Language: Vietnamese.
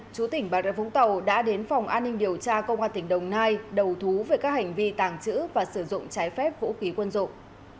chú tỉnh bà rê vũng tàu đã đến phòng an ninh điều tra công an tỉnh đồng nai đầu thú về các hành vi tàng trữ và sử dụng trái phép vũ khí quân dụng